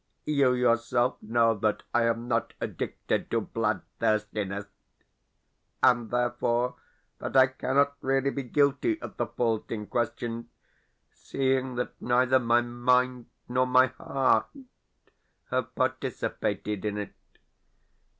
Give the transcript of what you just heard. You yourself know that I am not addicted to bloodthirstiness, and therefore that I cannot really be guilty of the fault in question, seeing that neither my mind nor my heart have participated in it.